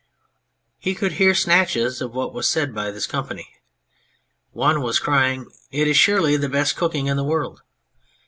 He could hear snatches of what was said by this company. One was crying :" It is surely the best cooking in the world